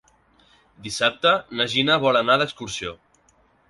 Dissabte na Gina vol anar d'excursió.